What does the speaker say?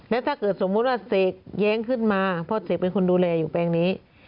แล้วถ้าเกิดสมมุติว่าเสกแย้งขึ้นมาเพราะเสกเป็นคนดูแลอยู่แปลงนี้